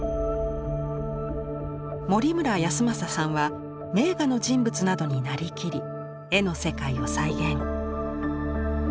森村泰昌さんは名画の人物などになりきり絵の世界を再現。